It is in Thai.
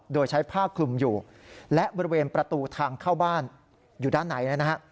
โดยใช้ผ้าคลุมอยู่และบริเวณประตูทางเข้าบ้านอยู่ด้านในนะฮะ